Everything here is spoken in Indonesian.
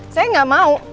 saya gak mau